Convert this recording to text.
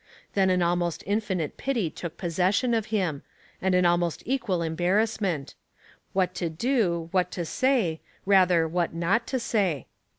Then an almost infinite pity took possession of him, and an almost equal embar rassment — what to do, what to say, rather, what not to say.